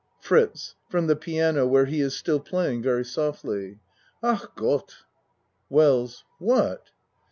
FRITZ (From the piano where he is still playing very softly.) Ach gott! WELLS What?